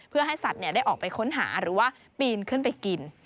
เพื่อให้สัตว์ได้ออกไปค้นหาหรือว่าปีนขึ้นไปกิน